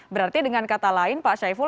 berarti dengan kata lain pak syaiful